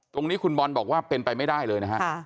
ตรงนี้คุณบอลบอกว่าเป็นไปไม่ได้เลยนะฮะ